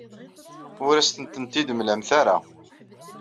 Ur asen-tent-id-temlamt ara.